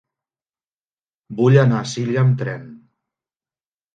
Vull anar a Silla amb tren.